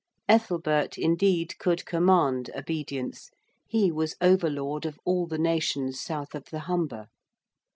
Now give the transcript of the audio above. Ethelbert, indeed, could command obedience; he was Over Lord of all the nations south of the Humber.